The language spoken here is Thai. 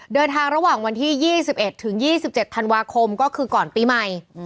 เดินทางระหว่างวันที่๒๑๒๗ธันวาคมก็คือก่อนปีใหม่